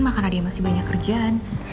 karena dia masih banyak kerjaan